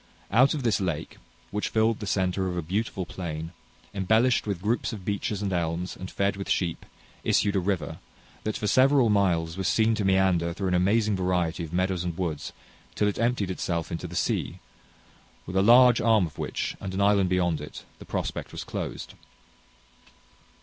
Out of this lake, which filled the center of a beautiful plain, embellished with groups of beeches and elms, and fed with sheep, issued a river, that for several miles was seen to meander through an amazing variety of meadows and woods till it emptied itself into the sea, with a large arm of which, and an island beyond it, the prospect was closed.